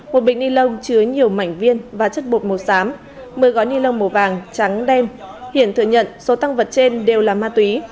một bịch ni lông chứa nhiều mảnh viên và chất bột màu xám một mươi gói ni lông màu vàng trắng đem hiển thừa nhận số tăng vật trên đều là ma túy